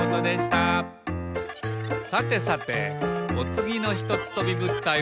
さてさておつぎのひとつとびぶったいは？